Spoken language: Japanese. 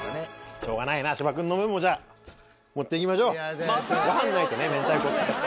しょうがないな芝君の分もじゃ持っていきましょうご飯ないとね明太子ってやっぱ。